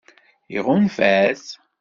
Iɣunfa-t?